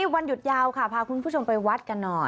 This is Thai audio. วันหยุดยาวค่ะพาคุณผู้ชมไปวัดกันหน่อย